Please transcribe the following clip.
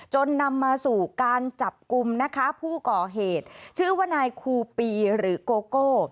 จนนำมาสู่การจับกลุ่มนะคะผู้ก่อเหตุชื่อว่านายคูปีหรือโกโก้